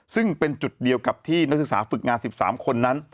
ซึ่งเป็นจุดเดียวกับที่นักศึกษาฝึกงาน๑๓คนนั้น